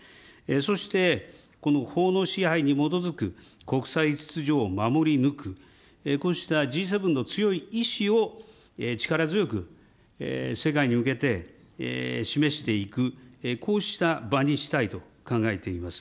そしてこの法の支配に基づく国際秩序を守り抜く、こうしたＧ７の強い意思を力強く世界に向けて示していく、こうした場にしたいと考えています。